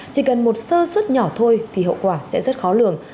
chỉ cần một sơ suất nhỏ thôi thì hậu quả sẽ rất khó lường